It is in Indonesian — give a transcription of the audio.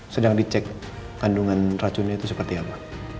sedang dicek kandungan racunnya itu seperti apa